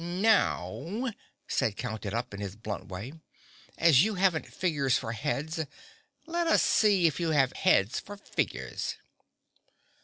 "Now," said Count It Up in his blunt way, "as you haven't figures for heads, let us see if you have heads for figures."